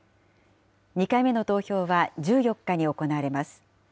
２回目の投票は１４日に行われます。